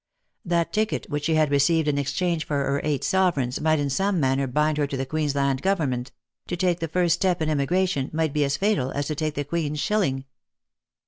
That ticket which she had received in exchange for her eight sovereigns might in some manner bind her to the Queensland government ; to take the first step in emigration might be as fatal as to take the Queen's shilling.